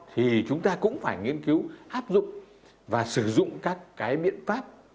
thì chúng ta cũng phải nghiên cứu áp dụng và sử dụng các cái biện pháp